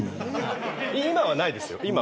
今は、ないですよ。